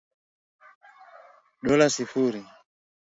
dola sifuri